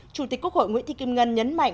chủ tịch quốc hội nguyễn thị kim ngân nhấn mạnh